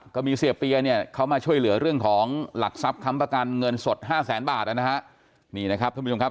เสียเปียเนี่ยเขามาช่วยเหลือเรื่องของหลักทรัพย์ค้ำประกันเงินสดห้าแสนบาทนะฮะนี่นะครับท่านผู้ชมครับ